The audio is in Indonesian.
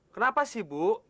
kenapa sih bu